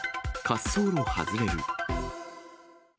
滑走路外れる。